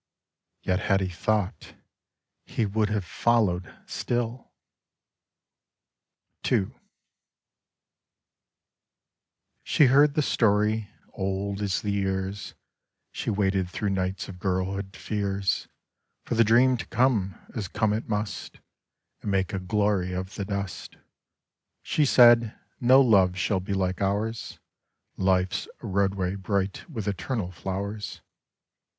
... Yet had he thought, he would have followed still I [ 54 ] NEVERTHELESS II She heard the story — old as the years ; She waited through nights of girlhood fears ... For the dream to come, as come it must, And make a glory of the dust. She said, " No love shall be like ours — Life's roadway bright with eternal flowers."